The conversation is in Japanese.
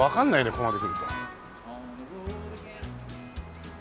ここまでくると。